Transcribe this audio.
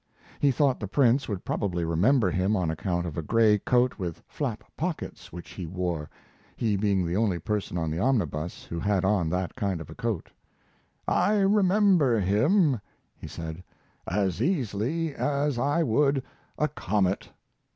He thought the Prince would probably remember him on account of a gray coat with flap pockets which he wore, he being the only person on the omnibus who had on that kind of a coat. "I remember him," he said, "as easily as I would a comet."